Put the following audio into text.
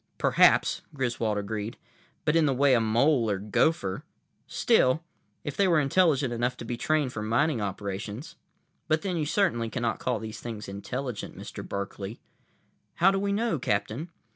"Perhaps," Griswold agreed. "But in the way a mole or gopher—still, if they were intelligent enough to be trained for mining operations—but then you certainly cannot call these things intelligent, Mr. Berkeley." "How do we know, Captain?"